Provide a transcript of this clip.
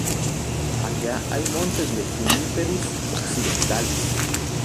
Alla hay monte de "Juniperus occidentalis".